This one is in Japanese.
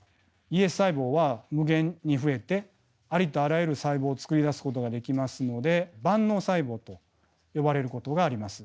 ＥＳ細胞は無限に増えてありとあらゆる細胞をつくり出すことができますので万能細胞と呼ばれることがあります。